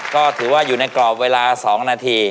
ก็ถือว่าอยู่ในกรอบเวลา๒นาที